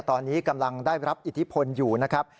ตอนนี้กำลังได้รับอิทธิพลอยู่นะครับ